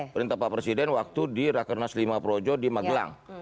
perintah pak presiden waktu di rakernas lima projo di magelang